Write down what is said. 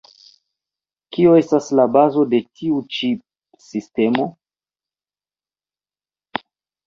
Kio estas la bazo de tiu ĉi sistemo?